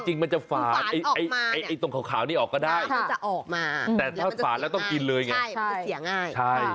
จริงมันจะฝานไอ้ตรงขาวนี่ออกก็ได้แต่ถ้าฝานแล้วต้องกินเลยไงใช่มันจะเสียง่าย